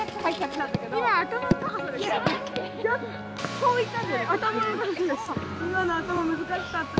こういった。